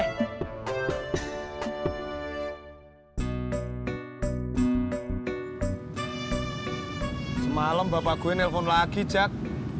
hai semalem bapak gue nelfon lagi jack